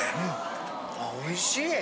あおいしい。